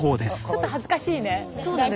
ちょっと恥ずかしいね何かね。